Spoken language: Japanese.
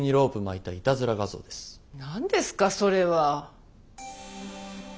何ですかそれは。